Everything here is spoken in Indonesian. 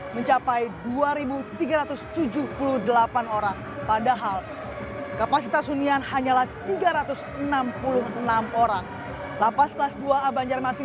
mencapai dua ribu tiga ratus tujuh puluh delapan orang padahal kapasitas hunian hanyalah tiga ratus enam puluh enam orang lapas kelas dua a banjarmasin